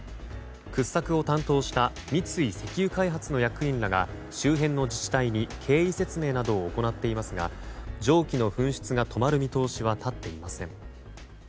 掘削を担当した三井石油開発の役員らが周辺の自治体に経緯説明などを行っていますが蒸気の噴出が止まる見通しは立っていません。